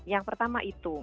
yang pertama itu